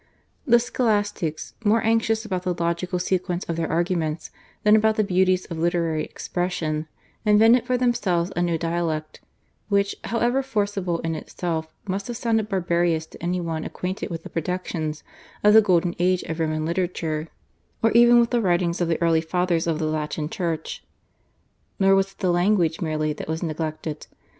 The Scholastics, more anxious about the logical sequence of their arguments than about the beauties of literary expression, invented for themselves a new dialect, which, however forcible in itself, must have sounded barbarous to any one acquainted with the productions of the golden age of Roman literature or even with the writings of the early Fathers of the Latin Church. Nor was it the language merely that was neglected.